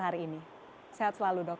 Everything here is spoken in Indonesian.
hari ini sehat selalu dok